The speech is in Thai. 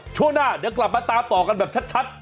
ช่วงหน้าเดี๋ยวกลับมาตามต่อกันแบบชัด